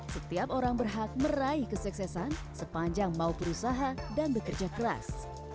setiap orang berhak meraih kesuksesan sepanjang mau berusaha dan bekerja keras